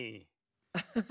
アハハ！